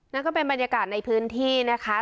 นั่นก็เป็นบรรยากาศในพื้นที่นะคะ